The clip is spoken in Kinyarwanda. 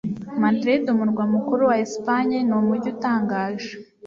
Madrid, umurwa mukuru wa Espagne, ni umujyi utangaje